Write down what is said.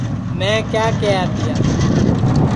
میں کیا کیہیا تیا